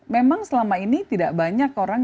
memang selama ini tidak banyak orang